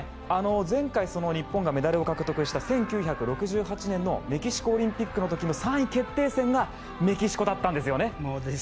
前回日本がメダルを獲得した１９６８年のメキシコオリンピックの時の３位決定戦がメキシコだったんです。